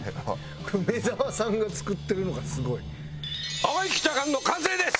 梅沢さんが作ってるのがすごい。淡雪チャーハンの完成です！